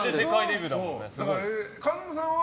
神田さんは？